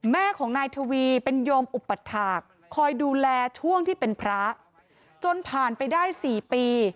แม่ของนายทวีเป็นโยมอุปถาคคอยดูแลช่วงที่เป็นพระจนผ่านไปได้๔ปี